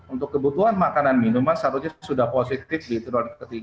untuk kebutuhan makanan minuman seharusnya sudah positif di tron ketiga